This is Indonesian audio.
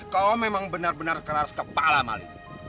kau memang benar benar keras kepala mali